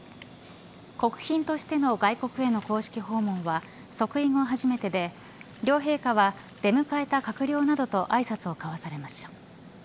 国賓としての外国への公式訪問は即位後初めてで、両陛下は出迎えた閣僚などとあいさつを交わされました。